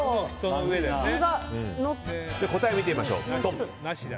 答え、見てみましょう。